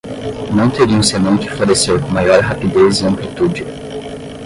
não teriam senão que florescer com maior rapidez e amplitude